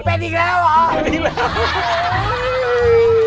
เป็ดอีกแล้วเหรอ